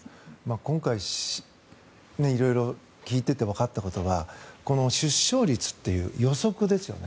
今回、色々聞いててわかったことはこの出生率という予測ですよね。